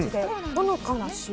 ほのかな塩。